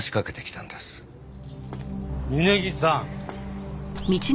峯岸さん。